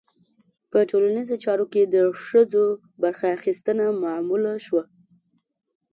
په ټولنیزو چارو کې د ښځو برخه اخیستنه معمول شوه.